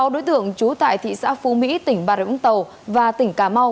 sáu đối tượng trú tại thị xã phú mỹ tỉnh bà rịa úng tàu và tỉnh cà mau